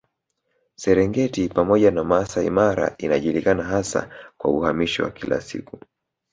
Serengeti pamoja na Masai Mara inajulikana hasa kwa uhamisho wa kila siku